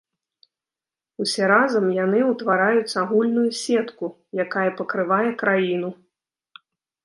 Усе разам яны ўтвараюць агульную сетку, якая пакрывае краіну.